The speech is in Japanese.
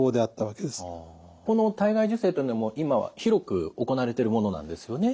この体外受精というのも今は広く行われてるものなんですよね？